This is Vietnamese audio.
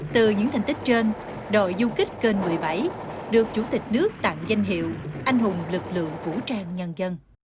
từ những thành tích trên đội du kích kênh một mươi bảy được chủ tịch nước tặng danh hiệu anh hùng lực lượng vũ trang nhân dân